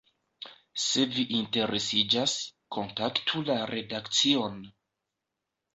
Se vi interesiĝas, kontaktu la redakcion!